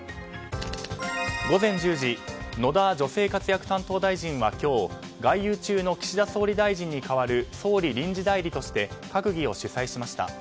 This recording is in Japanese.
午前１０時野田女性活躍担当大臣は今日外遊中の岸田総理大臣に代わる総理臨時代理として閣議を主宰しました。